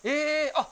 あっ